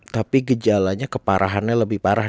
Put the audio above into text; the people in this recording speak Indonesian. tapi gejalanya keparahannya lebih parah